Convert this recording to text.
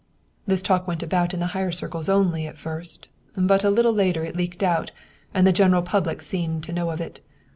" This talk went about in the higher circles only at first, but a little later it leaked out, and the general public seemed to know of it.